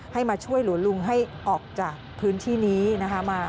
ให้มาช่วยเหลือลุงให้ออกจากพื้นที่นี้นะคะ